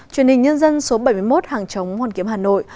truyền hình nhân dân số bảy mươi một hàng chống hoàn kiếm hà nội